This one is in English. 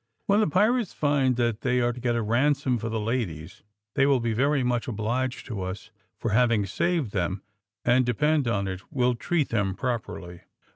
When the pirates find that they are to get a ransom for the ladies, they will be very much obliged to us for having saved them, and, depend on it, will treat them properly."